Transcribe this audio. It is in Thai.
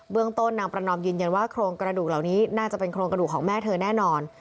ต้นนางประนอมยืนยันว่าโครงกระดูกเหล่านี้น่าจะเป็นโครงกระดูกของแม่เธอแน่นอน